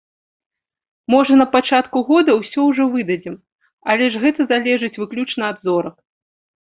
Можа на пачатку года ўсё ўжо выдадзім, але гэта ж залежыць выключна ад зорак.